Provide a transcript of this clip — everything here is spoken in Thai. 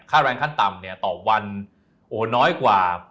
ค่าแรงขั้นต่ำต่อวันน้อยกว่า